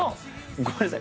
ごめんなさい。